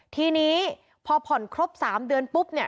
ทีนี้พอผ่อนครบ๓เดือนปุ๊บเนี่ย